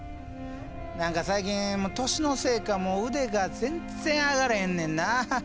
何か最近年のせいか腕が全然上がらへんねんな。